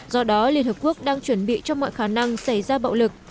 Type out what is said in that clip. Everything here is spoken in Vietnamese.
do đó liên hợp quốc đang chuẩn bị cho mọi khả năng xảy ra bạo lực